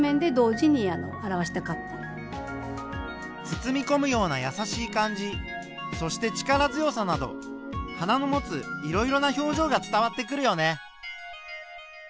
包みこむようなやさしい感じそして力強さなど花の持ついろいろな表情が伝わってくるよね。